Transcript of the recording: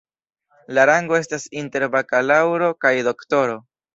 La rango estas inter bakalaŭro kaj doktoro.